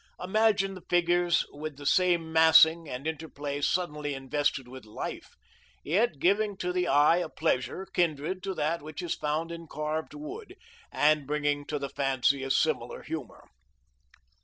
Imagine the figures with the same massing and interplay suddenly invested with life, yet giving to the eye a pleasure kindred to that which is found in carved wood, and bringing to the fancy a similar humor.